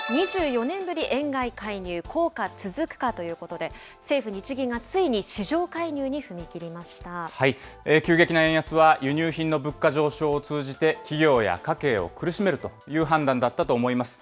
２４年ぶり円買い介入、効果続くか？ということで、政府・日銀が急激な円安は輸入品の物価上昇を通じて、企業や家計を苦しめるという判断だったと思います。